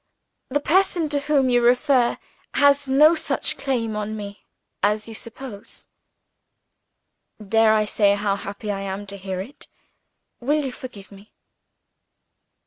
The person to whom you refer has no such claim on me as you suppose." "Dare I say how happy I am to hear it? Will you forgive me?"